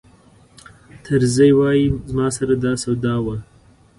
طرزي وایي زما سره دا سودا وه.